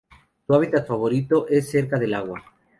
Su hábitat favorito es cerca del agua.